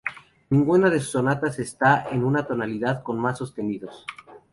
Ninguna de sus sonatas está en una tonalidad con más sostenidos.